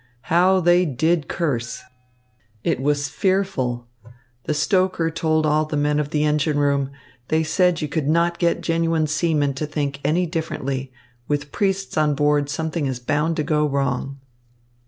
How they did curse! It was fearful. The stoker told all the men of the engine room. They said you could not get genuine seamen to think any differently with priests on board something is bound to go wrong."